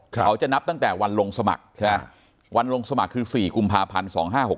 เขาจะนับตั้งแต่วันลงสมัครใช่ไหมวันลงสมัครคือ๔กุมภาพันธ์๒๕๖๖